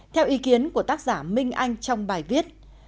theo ý kiến của tác giả minh anh trong bài viết